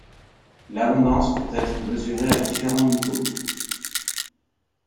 L’abondance peut être mesurée à différents niveaux.